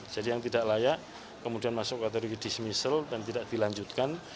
jadi yang tidak layak kemudian masuk kategori dismissal dan tidak dilanjutkan